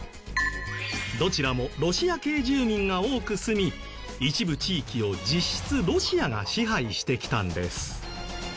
どちらもロシア系住民が多く住み一部地域を実質ロシアが支配してきたんです。